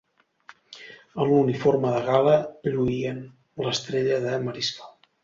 En l'uniforme de gala lluïen l'Estrella de Mariscal.